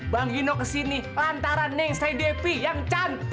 bang gino ke sini lantaran neng si depi yang cantik